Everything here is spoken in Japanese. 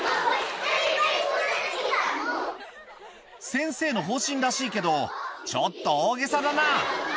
先生の方針らしいけど、ちょっと大げさだな。